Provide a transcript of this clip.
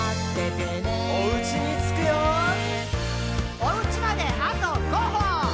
「おうちまであと５歩！」